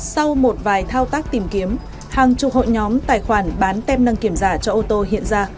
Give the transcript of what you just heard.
sau một vài thao tác tìm kiếm hàng chục hội nhóm tài khoản bán tem đăng kiểm giả cho ô tô hiện ra